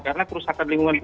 karena perusahaan lingkungan